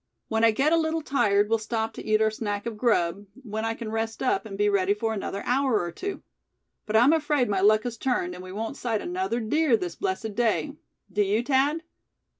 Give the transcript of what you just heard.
When I get a little tired, we'll stop to eat our snack of grub, when I can rest up, and be ready for another hour or two. But I'm afraid my luck has turned, and we won't sight another deer this blessed day; do you, Thad?"